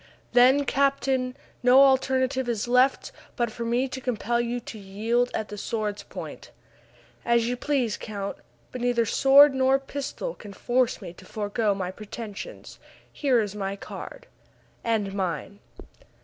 "Then, captain, no alternative is left but for me to compel you to yield at the sword's point." "As you please, count; but neither sword nor pistol can force me to forego my pretensions. Here is my card." "And mine."